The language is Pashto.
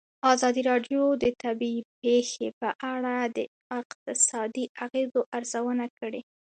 ازادي راډیو د طبیعي پېښې په اړه د اقتصادي اغېزو ارزونه کړې.